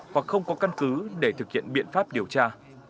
hoặc không có căn cứ để thực hiện biện pháp điều tra